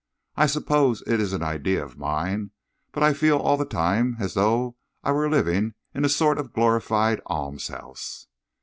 I suppose it is an idea of mine, but I feel all the time as though I were living in a sort of glorified almshouse."